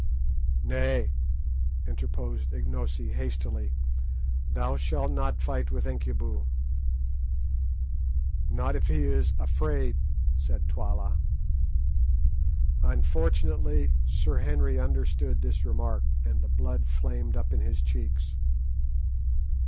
"Nay," interposed Ignosi hastily; "thou shalt not fight with Incubu." "Not if he is afraid," said Twala. Unfortunately Sir Henry understood this remark, and the blood flamed up into his cheeks.